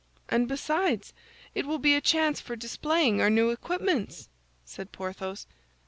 "And besides, it will be a chance for displaying our new equipments," said Porthos.